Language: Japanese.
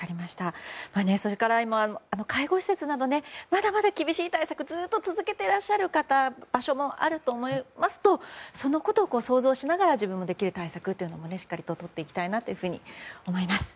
それから今介護施設などまだまだ厳しい対策をずっと続けている方場所もあると思いますとそのことを想像しながら自分でもできる対策をしっかりとっていきたいというふうに思います。